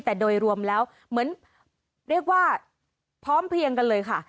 แต่โดยรวมแล้วเหมือนเรียกว่าพร้อมเพียงกันเลยค่ะ